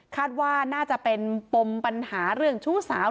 คาดว่าน่าจะเป็นปมปัญหาเรื่องชู้สาว